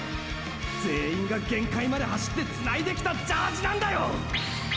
全員が限界まで走ってつないできたジャージなんだよ！！